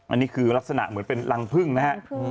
อันนี้คือลักษณะเหมือนเป็นรังพึ่งนะฮะ